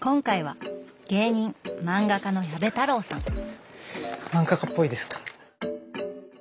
今回は漫画家っぽいですか。